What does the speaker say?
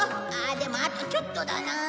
でもあとちょっとだなあ。